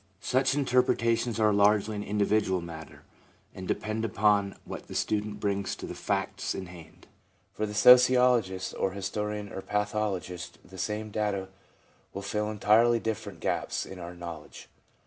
Such interpretations are largely an individual matter, and depend upon what the student brings to the facts in hand. For the sociologist or historian or pathologist the same data will fill entirely different gaps in our knowledge.